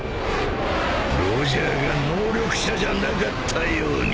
ロジャーが能力者じゃなかったように。